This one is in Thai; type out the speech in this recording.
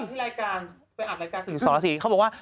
ไปอัดรายการสิ่งสอดละสีเขาบอกว่า